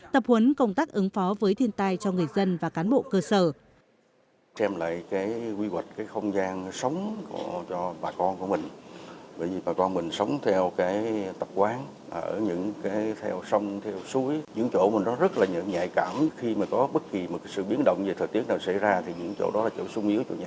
tập huấn công tác ứng phó với thiên tai cho người dân và cán bộ cơ sở